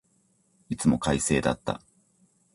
いつも快晴だった。